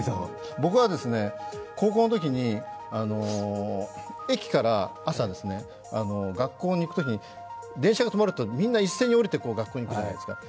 僕は高校のときに駅から朝、学校に行くときに電車が止まると、みんな一斉に降りて学校に行くじゃないですか。